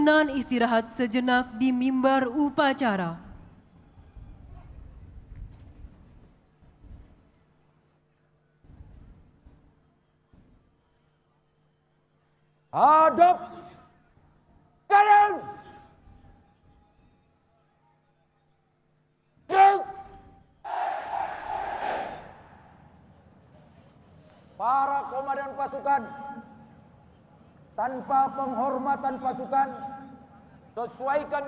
dan berikan kekuatanmu ke tuan tuan